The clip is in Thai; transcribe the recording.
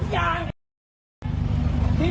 แม่ขี้หมาเนี่ยเธอดีเนี่ย